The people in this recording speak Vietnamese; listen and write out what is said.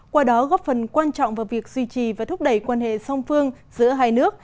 qua đó góp phần quan trọng vào việc duy trì và thúc đẩy quan hệ song phương giữa hai nước